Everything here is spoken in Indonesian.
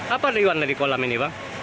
apa rewan dari kolam ini